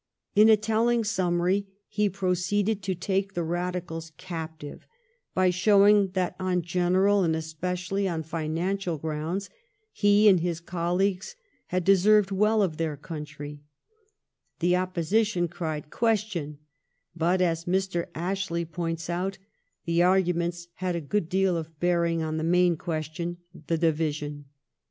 In a telling sum mary he proceeded to take the Radicals captive by show * ing that on general, and especially on financial grounds^ he and his colleagues had deserved well of their country* The Opposition cried *' Question," but, as Mr. Ashley points out, the arguments had a good deal of bearing on the main question — the division.